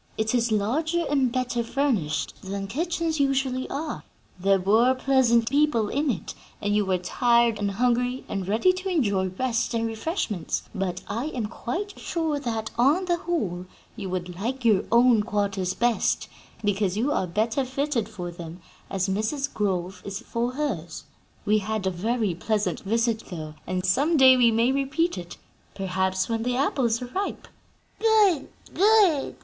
It is larger and better furnished than kitchens usually are, there were pleasant people in it, and you were tired and hungry and ready to enjoy rest and refreshments; but I am quite sure that, on the whole, you would like your own quarters best, because you are better fitted for them, as Mrs. Grove is for hers. We had a very pleasant visit, though, and some day we may repeat it perhaps when the apples are ripe." "Good! good!"